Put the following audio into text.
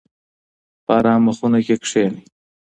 په ارامه خونه کې کښینئ.